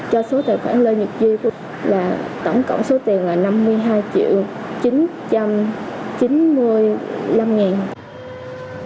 tổng cộng số tiền là năm mươi hai triệu chín trăm chín mươi năm ngàn